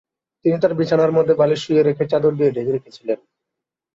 তিনি তাঁর বিছানার মধ্যে বালিশ শুইয়ে রেখে চাদর দিয়ে ঢেকে রেখেছিলেন।